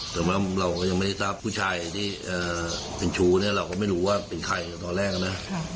แต่ว่าเราก็ยังไม่ได้ทราบผู้ชายที่เป็นชู้เนี่ยเราก็ไม่รู้ว่าเป็นใครตอนแรกนะ